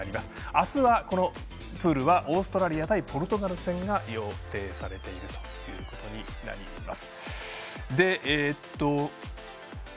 明日はオーストラリア対ポルトガル戦が予定されているということになります。